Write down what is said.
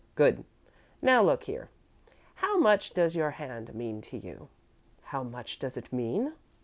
"Good. Now, look here. How much does your hand mean to you?" "How much does it mean?"